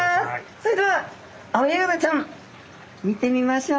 それではアオヤガラちゃん見てみましょう。